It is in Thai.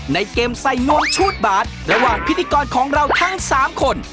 ในเกมใส่นวมชูดบาทระหว่างพิธีกรของเราทั้ง๓คน